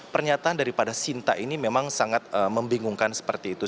pernyataan daripada sinta ini memang sangat membingungkan seperti itu